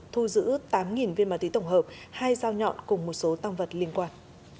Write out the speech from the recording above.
thu giữ tám viên ma túy tổng hợp hai dao nhọn cùng một số tăng vật liên quan